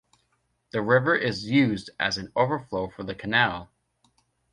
The river is used as an overflow for the canal.